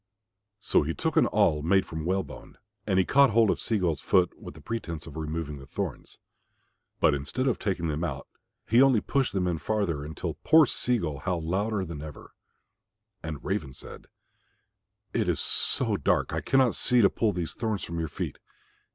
So he took an awl made from whale bone and he caught hold of Sea gull's foot, with the pretence of removing the thorns. But instead of taking them out he only pushed them in farther until poor Sea gull howled louder than ever. And Raven said, "It is so dark I cannot see to pull these thorns from your feet.